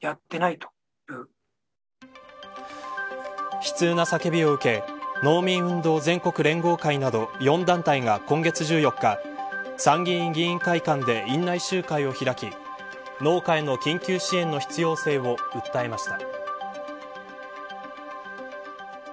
悲痛な叫びを受け農民運動全国連合会など４団体が今月１４日参議院議員会館で院内集会を開き農家への緊急支援の必要性を訴えました。